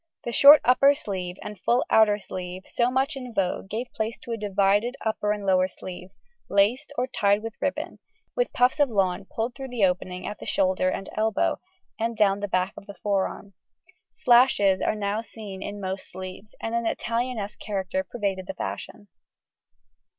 The short upper sleeve and full outer sleeve so much in vogue gave place to a divided upper and lower sleeve, laced or tied with ribbon, with puffs of lawn pulled through the openings at shoulder and elbow, and down the back of the forearm. Slashes are now seen in most sleeves, and an Italianesque character pervaded the fashion.